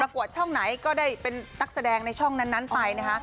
ช่องไหนก็ได้เป็นนักแสดงในช่องนั้นไปนะคะ